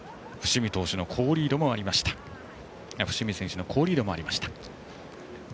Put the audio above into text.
伏見選手の好リードもありました。